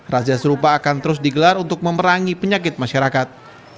razia serupa akan terus digelar untuk memerangi penyakit masyarakat